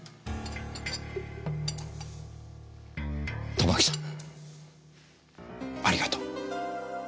たまきさんありがとう。